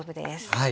はい。